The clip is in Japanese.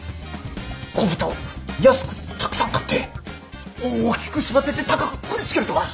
子豚を安くたくさん買って大きく育てて高く売りつけるとか！